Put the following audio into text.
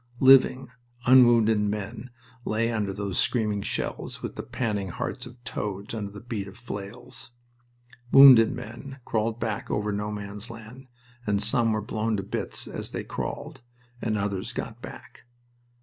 Living, unwounded men lay under those screaming shells with the panting hearts of toads under the beat of flails. Wounded men crawled back over No Man's Land, and some were blown to bits as they crawled, and others got back.